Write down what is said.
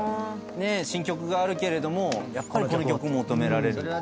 新曲があるけれどもやっぱりこの曲求められる。